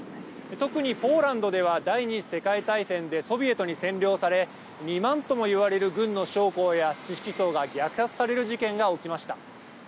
特にポーランドでは第２次世界大戦でソビエトに占領され２万とも言われる軍の将校や知識層が虐殺される事件が起きました。